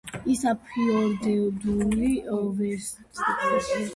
ისაფიორდური ვესტფირდირის რეგიონის სავაჭრო და ეკონომიკური ცენტრია.